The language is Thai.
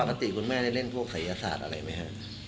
คุณแม่ได้เล่นพวกศัยศาสตร์อะไรไหมฮะ